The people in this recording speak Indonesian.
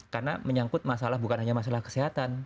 karena menyangkut masalah bukan hanya masalah kesehatan